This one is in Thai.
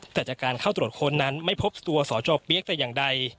แต่จากการเข้าตรวจค้นนั้นไม่พบตัวสจเปี๊ยกแต่อย่างใด